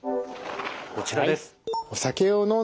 こちらです。